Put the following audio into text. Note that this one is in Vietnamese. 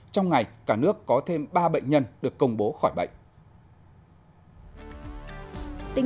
trong ngày cả nước có thêm ba bệnh nhân được công bố khỏi bệnh